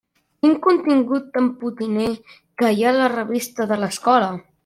Quin contingut tan potiner que hi ha a la revista de l'escola!